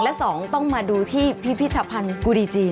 และสองต้องมาดูที่พิพิธภัณฑ์กูดีจี